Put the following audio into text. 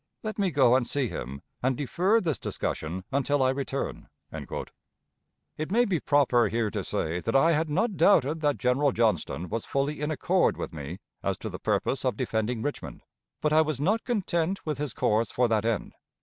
Let me go and see him, and defer this discussion until I return." It may be proper here to say that I had not doubted that General Johnston was fully in accord with me as to the purpose of defending Richmond, but I was not content with his course for that end.